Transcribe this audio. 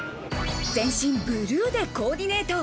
全身ブルーでコーディネート。